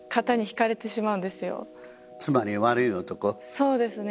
そうですね。